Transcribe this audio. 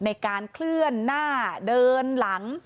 ในการเคลื่อนหน้าเดินหลัง